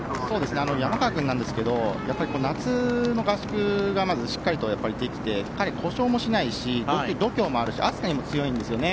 山川君なんですけどやっぱり夏の合宿がしっかりできていて彼、故障もしないし度胸もあるし暑さにも強いんですね。